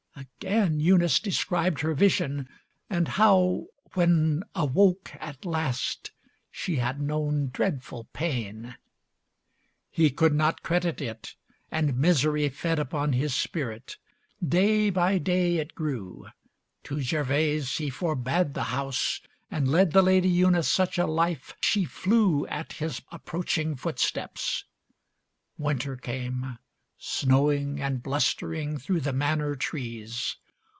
Again Eunice described her vision, and how when Awoke at last she had known dreadful pain. LVI He could not credit it, and misery fed Upon his spirit, day by day it grew. To Gervase he forbade the house, and led The Lady Eunice such a life she flew At his approaching footsteps. Winter came Snowing and blustering through the Manor trees.